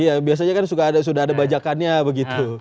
iya biasanya kan sudah ada bajakannya begitu